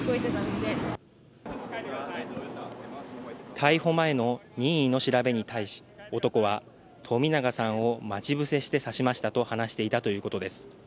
逮捕前の任意の調べに対し、男は冨永さんを待ち伏せして刺しましたと話していたということです。